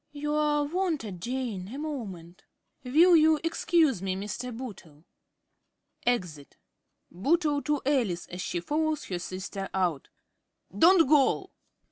~ You are wanted, Jane, a moment. ~Jane.~ Will you excuse me, Mr. Bootle? (Exit.) ~Bootle~ (to Alice, as she follows her sister out). Don't go!